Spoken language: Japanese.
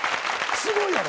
すごいやろ。